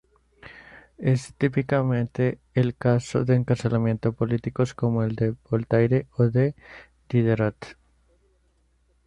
Es típicamente el caso de encarcelamientos políticos como el de Voltaire o de Diderot.